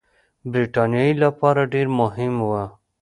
برټانیې لپاره ډېر مهم وه.